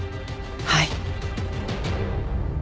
はい。